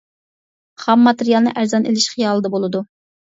خام ماتېرىيالنى ئەرزان ئېلىش خىيالىدا بولىدۇ.